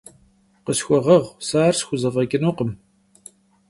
Khısxueğueğu, se ar sxuzef'eç'ınukhım.